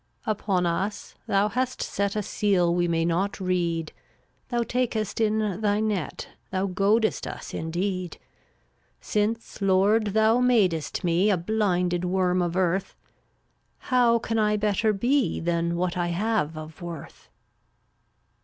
342 Upon us Thou hast set A seal we may not read; Thou takest in thy net, Thou goadest us, indeed. Since, Lord, thou madest me A blinded worm of earth, How can I better be Than what I have of worth?